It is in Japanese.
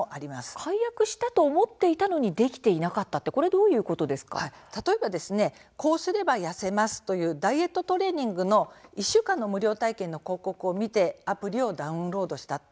解約したと思ったのにできていなかった例えば、こうすれば痩せますというダイエットトレーニングの１週間無料体験の広告を見てアプリをダウンロードした。